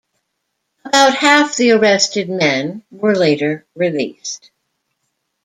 About half the arrested men were later released.